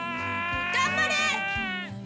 頑張れ！